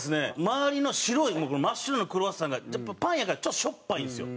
周りの白いこの真っ白なクロワッサンがやっぱパンやからちょっとしょっぱいんですよ。